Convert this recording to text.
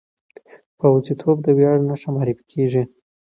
پوځي توب د ویاړ نښه معرفي کېږي.